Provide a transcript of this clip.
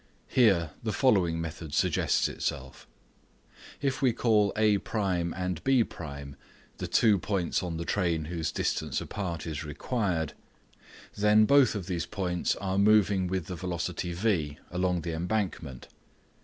Here the following method suggests itself. If we call A^1 and B^1 the two points on the train whose distance apart is required, then both of these points are moving with the velocity v along the embankment.